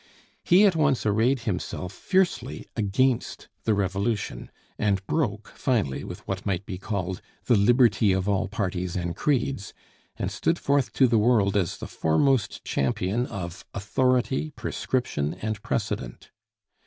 He at once arrayed himself fiercely against the Revolution, and broke finally with what might be called the Liberty of all parties and creeds, and stood forth to the world as the foremost champion of authority, prescription, and precedent.